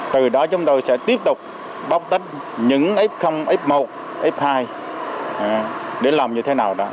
từ đó chúng tôi sẽ tiếp tục bóc tích những f ít một f hai để làm như thế nào đó